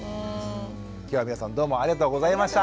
きょうは皆さんどうもありがとうございました。